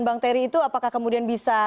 bang terry itu apakah kemudian bisa